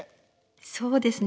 そうですね。